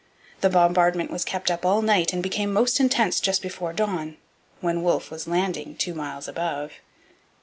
The bombardment was kept up all night and became most intense just before dawn, when Wolfe was landing two miles above.